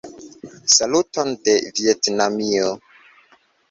Saluton de Vjetnamio!